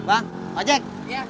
bang pak jack